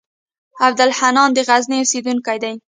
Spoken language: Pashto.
عبدالحنان د غزني اوسېدونکی دی.